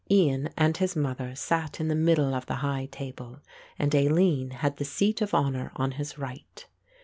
Ian and his mother sat in the middle of the high table and Aline had the seat of honour on his right.